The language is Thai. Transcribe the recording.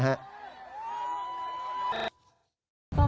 หาข้างผวดร่าง